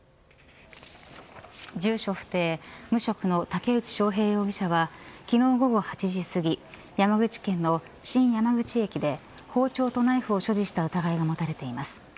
住所不定、無職の竹内翔平容疑者は昨日、午後８時すぎ山口県の新山口駅で包丁とナイフを所持した疑いが持たれています。